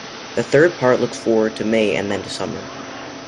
The third part looks forward to May and then to summer.